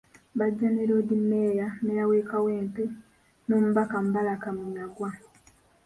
Bajja ne Loodi meeya, Meeya we Kawempe n’omubaka Mubaraka Munyagwa.